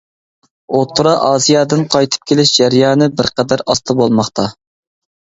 ئوتتۇرا ئاسىيادىن قايتىپ كېلىش جەريانى بىر قەدەر ئاستا بولماقتا.